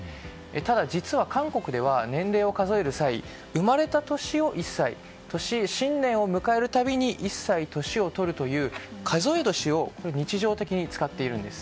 ただ、実は韓国では年齢を数える際生まれた年を１歳とし新年を迎えるたびに１歳年を取るという数え年を日常的に使っているんです。